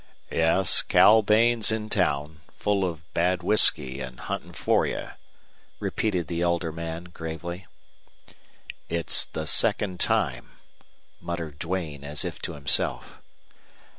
"Yes, Cal Bain's in town, full of bad whisky an' huntin' for you," repeated the elder man, gravely. "It's the second time," muttered Duane, as if to himself.